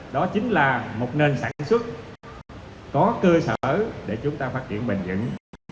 đó chính là một nền sản xuất có cơ sở để chúng ta phát triển bền dững